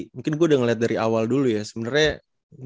mungkin gue udah ngeliat dari awal dulu ya sebenarnya